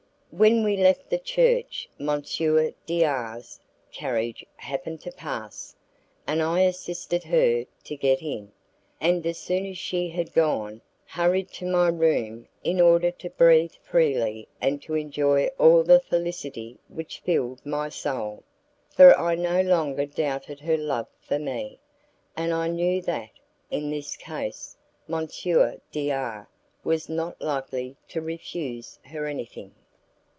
When we left the church, M. D R 's carriage happened to pass, and I assisted her to get in, and as soon as she had gone, hurried to my room in order to breathe freely and to enjoy all the felicity which filled my soul; for I no longer doubted her love for me, and I knew that, in this case, M. D R was not likely to refuse her anything.